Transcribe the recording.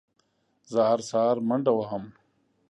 زه هره سهار منډه وهم